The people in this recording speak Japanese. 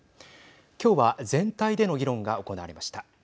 きょうは全体での議論が行われました。